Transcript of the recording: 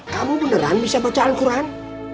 kamu beneran bisa baca alquran